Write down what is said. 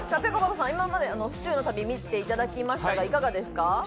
府中の旅、見ていただきましたが、いかがですか？